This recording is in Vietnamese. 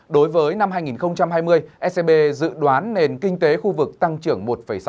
đối với năm hai nghìn hai mươi ecb dự đoán nền kinh tế khu vực tăng trưởng một sáu